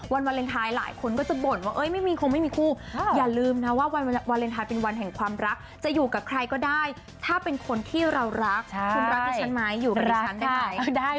วาเลนไทยหลายคนก็จะบ่นว่าไม่มีคงไม่มีคู่อย่าลืมนะว่าวันวาเลนไทยเป็นวันแห่งความรักจะอยู่กับใครก็ได้ถ้าเป็นคนที่เรารักคุณรักดิฉันไหมอยู่กับฉันได้ไหม